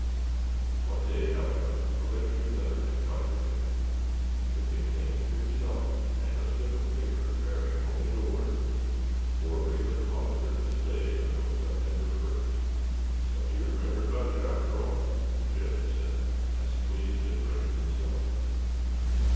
One day, however, a registered letter had come for Jeb. It contained fifty dollars and a slip of paper bearing only the words: For Raymond Hollister to stay until September first. "So he remembered 'baout yer arter all," Jeb had said, as pleased as Raymond himself.